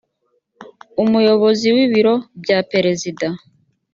umuyobozi w’ibiro bya perezida